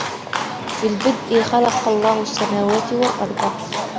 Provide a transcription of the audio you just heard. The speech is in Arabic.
فِي الْبَدْءِ خَلَقَ اللهُ السَّمَاوَاتِ وَالأَرْضَ ،